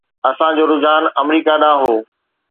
اسان جو رجحان آمريڪا ڏانهن هو.